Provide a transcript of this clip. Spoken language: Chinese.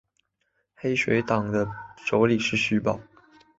黑水党的首领是徐保。